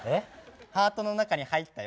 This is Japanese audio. ハートの中に入ったよ。